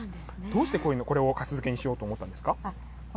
どうしてこれをかす漬けにしようと思ったんですか？